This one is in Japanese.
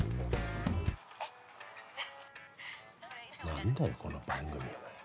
何だよこの番組お前。